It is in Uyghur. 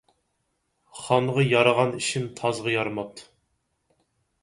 خانغا يارىغان ئىشىم تازغا يارىماپتۇ